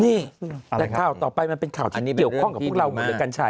นี่ราคาต่อไปเป็นข่าวที่เดียวข้องกับพวกเรากันใช่